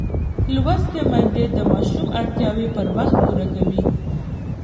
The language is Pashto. لوستې میندې د ماشوم اړتیاوې پر وخت پوره کوي.